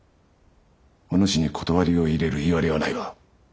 お主に断りを入れるいわれはないわ。